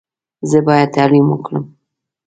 زه باید تعلیم وکړم.